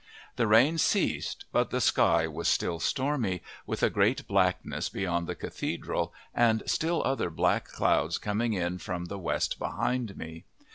The rain ceased, but the sky was still stormy, with a great blackness beyond the cathedral and still other black clouds coming up from the west behind me.